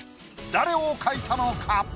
誰を描いたのか？